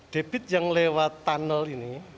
debit yang lewat tunnel ini